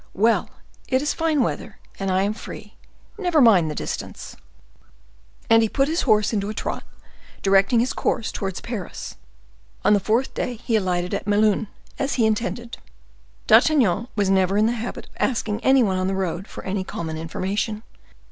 Well, it is fine weather, and I am free. Never mind the distance!" And he put his horse into a trot, directing his course towards Paris. On the fourth day he alighted at Melun, as he had intended. D'Artagnan was never in the habit of asking any one on the road for any common information.